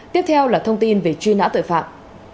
tiếp theo là thông tin về truy nã tội phạm